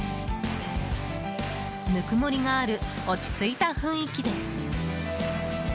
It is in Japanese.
ぬくもりがある落ち着いた雰囲気です。